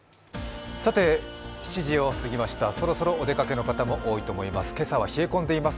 ７時をすぎました、そろそろお出かけの方も多いと思います。